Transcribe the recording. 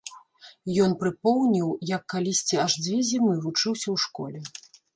Ён прыпомніў, як калісьці аж дзве зімы вучыўся ў школе.